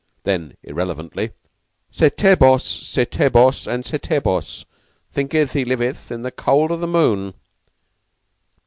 Then irrelevantly: "Setebos! Setebos! and Setebos! Thinketh he liveth in the cold of the moon."